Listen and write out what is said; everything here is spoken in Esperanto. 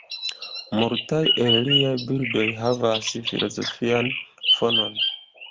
Multaj el liaj bildoj havas filozofian fonon.